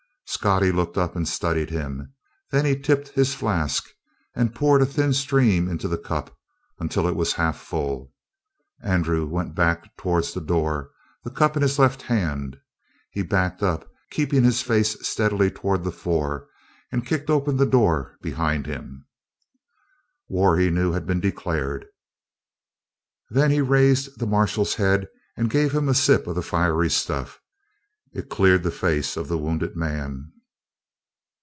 Scottie looked up and studied him. Then he tipped his flask and poured a thin stream into the cup until it was half full. Andrew went back toward the door, the cup in his left hand. He backed up, keeping his face steadily toward the four, and kicked open the door behind him. War, he knew, had been declared. Then he raised the marshal's head and gave him a sip of the fiery stuff. It cleared the face of the wounded man.